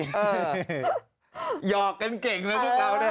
หยอกเก่งนะพวกเราเนี่ย